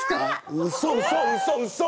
うそうそうそうそ！